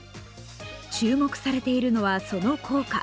注目されているのはその効果。